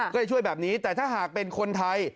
ก็เลยช่วยแบบนี้แต่ถ้าหากเป็นคนไทย